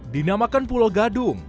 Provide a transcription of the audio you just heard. kawasan pulau gadung